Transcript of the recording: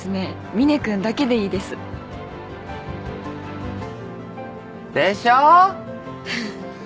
みね君だけでいいですでしょう？